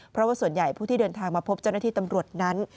เพราะว่าส่วนใหญ่ผู้ที่เดินทางมาพบเจ้าหน้าที่ตำรวจนั้น